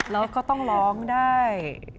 แล้วก็ต้องร้องได้